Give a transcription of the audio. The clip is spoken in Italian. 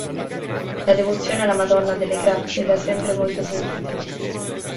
La devozione alla Madonna delle Grazie è da sempre molto sentita.